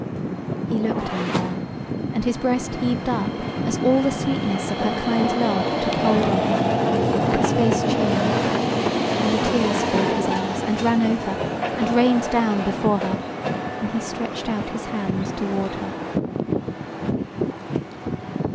He looked on her, and his breast heaved up as all the sweetness of her kind love took hold on him, and his face changed, and the tears filled his eyes and ran over, and rained down before her, and he stretched out his hand toward her.